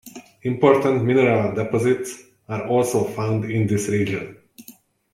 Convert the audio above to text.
Important mineral deposits are also found in this region.